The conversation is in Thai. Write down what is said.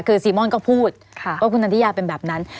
คือซีม่อนก็พูดว่าคุณนันทิยาเป็นแบบนั้น